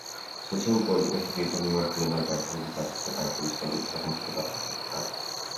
სოციალურ პოლიტიკაში ძირითდი მიმართულებაა ჯანმრთელობის დაცვისა და განათლების სფეროების სახელმწიფო დაფინანსების ზრდა.